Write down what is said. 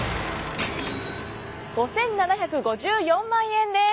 ５，７５４万円です。